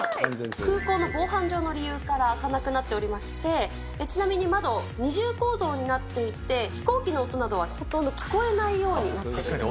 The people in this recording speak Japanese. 空港の防犯上の理由から開かなくなっておりまして、ちなみに窓、二重構造になっていて、飛行機の音などはほとんど聞こえないようになっています。